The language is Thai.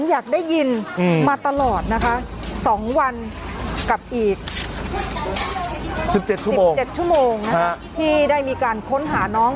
อยากได้ยินมาตลอดนะคะ๒วันกับอีก๑๗ชั่วโมง๑๗ชั่วโมงที่ได้มีการค้นหาน้อง